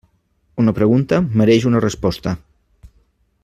Una pregunta mereix una resposta.